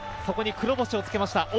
ここに黒星をつけました。